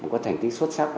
có thành tích xuất sắc